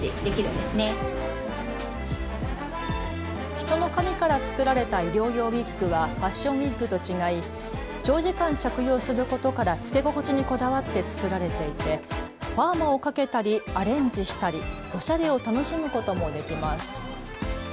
人の髪から作られた医療用ウイッグはファッションウイッグと違い長時間着用することから着け心地にこだわって作られていてパーマをかけたりアレンジしたりおしゃれを楽しむこともできます。